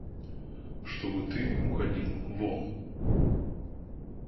Чтобы ты уходил вон.